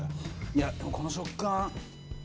いやでもこの食感。